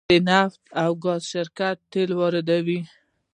د نفت او ګاز شرکت تیل واردوي